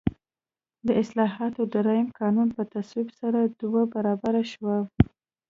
د اصلاحاتو درېیم قانون په تصویب سره دوه برابره شو.